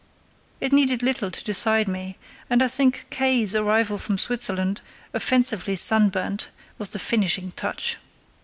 It needed little to decide me, and I think K——'s arrival from Switzerland, offensively sunburnt, was the finishing touch.